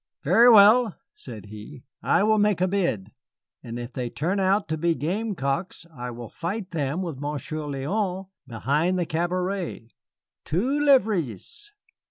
"Very well," said he, "I will make a bid. And if they turn out to be gamecocks, I will fight them with Monsieur Léon behind the cabaret. Two livres!"